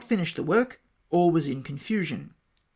finished the work, all was iu confusion.